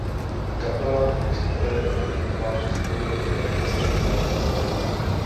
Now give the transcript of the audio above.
Kapela vystupuje ve filmu Tomáše Svobody "Dvě nevěsty a jedna svatba".